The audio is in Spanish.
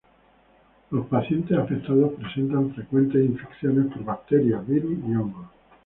Los pacientes afectados presentan frecuentes infecciones por bacterias, virus y hongos.